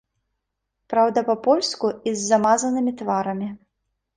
Праўда, па-польску і з замазанымі тварамі.